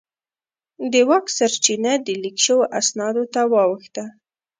د واک سرچینه د لیک شوو اسنادو ته واوښته.